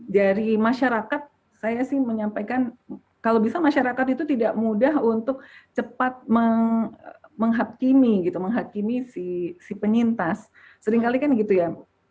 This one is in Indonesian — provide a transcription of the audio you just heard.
dari masyarakat saya sih menyampaikan kalau bisa masyarakat itu tidak mudah untuk cepat menghakimi gitu menghakimi si penyintas seringkali kan gitu ya